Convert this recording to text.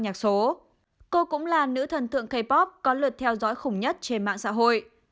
cô cũng là nữ thần tượng k pop có lượt theo dõi khủng nhất trên mạng xã hội